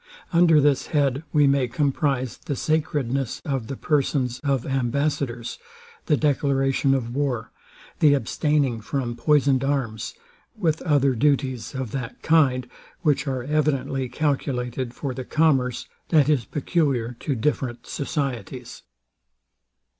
Under this head we may comprize the sacredness of the persons of ambassadors, the declaration of war, the abstaining from poisoned arms, with other duties of that kind, which are evidently calculated for the commerce, that is peculiar to different societies.